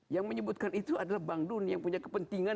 yang menyebutkan itu adalah bank dunia yang punya kepentingan